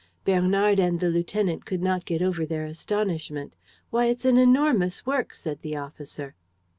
Bernard and the lieutenant could not get over their astonishment: "Why, it's an enormous work!" said the officer.